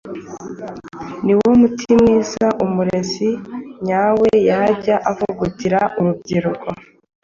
niwo muti mwiza umurezi nyawe yajya avugutira urubyiruko